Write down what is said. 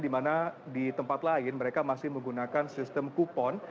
di mana di tempat lain mereka masih menggunakan sistem kupon